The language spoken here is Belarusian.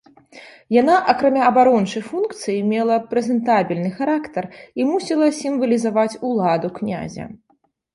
Яна акрамя абарончай функцыі мела прэзентабельны характар і мусіла сімвалізаваць уладу князя.